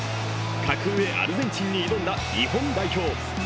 格上・アルゼンチンに挑んだ日本代表。